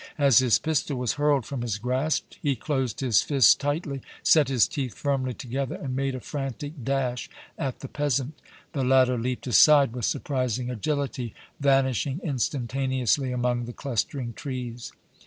As his pistol was hurled from his grasp he closed his fists tightly, set his teeth firmly together and made a frantic dash at the peasant. The latter leaped aside with surprising agility, vanishing instantaneously among the clustering trees.